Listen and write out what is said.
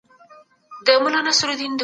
هلمند د تل لپاره زموږ د زړونو مینه ده.